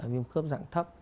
viêm khớp dạng thấp